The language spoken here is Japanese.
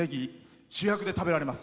主役で食べられます。